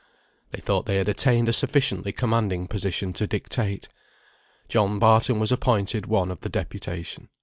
They thought they had attained a sufficiently commanding position to dictate. John Barton was appointed one of the deputation.